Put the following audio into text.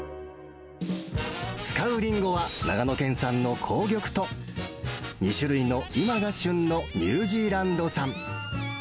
使うリンゴは、長野県産の紅玉と、２種類の今が旬のニュージーランド産。